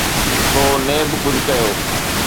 سو NAB ڪجهه ڪيو.